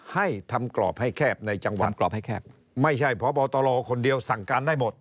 ให้ทำกรอบให้แคบในจังหวัดไม่ใช่เพราะบอตโรคนเดียวสั่งการได้หมด